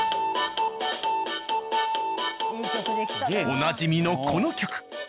おなじみのこの曲。